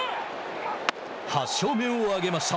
８勝目を挙げました。